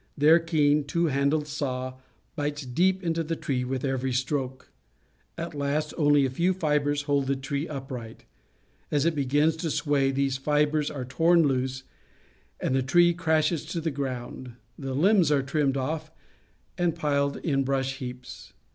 Their keen, two handled saw bites deep into the tree with every stroke. At last only a few fibres hold the tree upright. As it begins to swaj'^, these fibres are torn loose, and the ti ee crashes to the ground. The limbs are then trimmed off and piled in brush heaps.